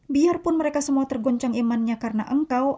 biarpun mereka semua tergoncang imannya karena engkau